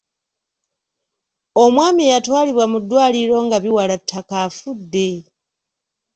Omwami eyatwalibwa mu ddwaliro nga biwala ttaka afudde.